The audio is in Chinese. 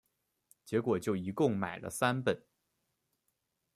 结果就一共买了三本